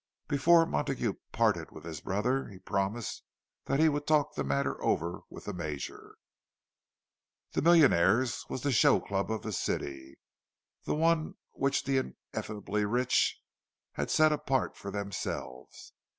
Before Montague parted with his brother, he promised that he would talk the matter over with the Major. The Millionaires' was the show club of the city, the one which the ineffably rich had set apart for themselves.